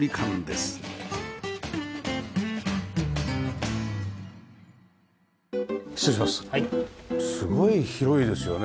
すごい広いですよね。